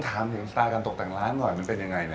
ถามถึงสไตล์การตกแต่งร้านหน่อยมันเป็นยังไงนะ